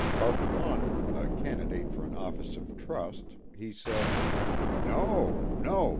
Of one, a candidate for an office of trust, he said, " No, no